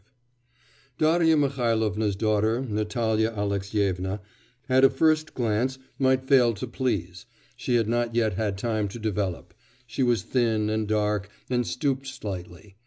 V Darya Mihailovna's daughter, Natalya Alexyevna, at a first glance might fail to please. She had not yet had time to develop; she was thin, and dark, and stooped slightly.